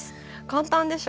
簡単でしょ？